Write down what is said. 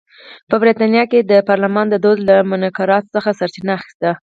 په برېټانیا کې د پارلمان دود له مګناکارتا څخه سرچینه اخیسته.